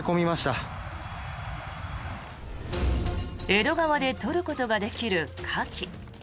江戸川で取ることができるカキ。